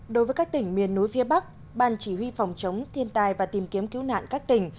đối với các tỉnh miền núi phía bắc ban chỉ huy phòng chống thiên tai và tìm kiếm cứu nạn các tỉnh